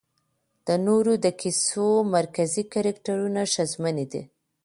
د نورو د کيسو مرکزي کرکټرونه ښځمنې دي